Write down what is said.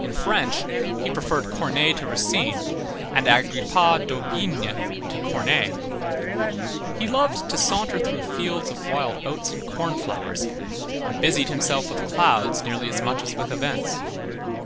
In French, he preferred Corneille to Racine, and Agrippa d'Aubigné to Corneille. He loved to saunter through fields of wild oats and corn flowers, and busied himself with clouds nearly as much as with events.